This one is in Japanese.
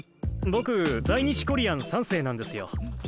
僕在日コリアン３世なんですよ。